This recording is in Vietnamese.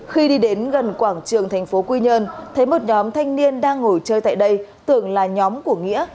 khi đi đến gần quảng trường thành phố quy nhơn thấy một nhóm thanh niên đang ngồi chơi tại đây tưởng là nhóm của nghĩa